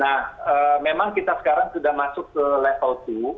nah memang kita sekarang sudah masuk ke level dua